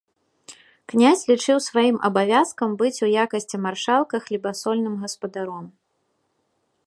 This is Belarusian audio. Князь лічыў сваім абавязкам быць у якасці маршалка хлебасольным гаспадаром.